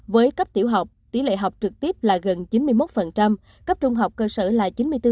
với cấp tiểu học tỷ lệ học trực tiếp là gần chín mươi một cấp trung học cơ sở là chín mươi bốn